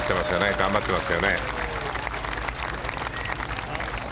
頑張ってますよね。